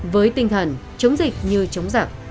với tinh thần chống dịch như chống giặc